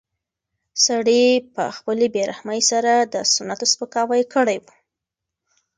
سړي په خپلې بې رحمۍ سره د سنتو سپکاوی کړی و.